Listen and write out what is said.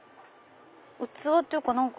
器っていうか何か。